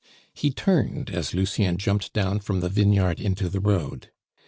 He turned as Lucien jumped down from the vineyard into the road.